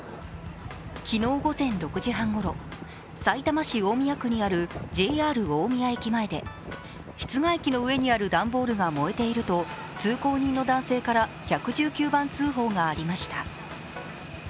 昨日午前６時半ごろ、さいたま市大宮区にあるＪＲ大宮駅前で、室外機の上にある段ボールが燃えていると、通行人の男性から１１９番通報がありました。